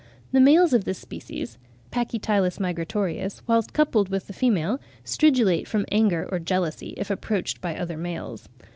The males of this species (Pachytylus migratorius) whilst coupled with the female stridulate from anger or jealousy, if approached by other males.